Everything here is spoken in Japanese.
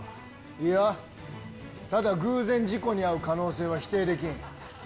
いや、ただ偶然事故に遭う可能性は否定できん。